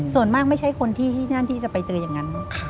ส่วนมากไม่ใช่คนที่นั่นที่จะไปเจออย่างนั้น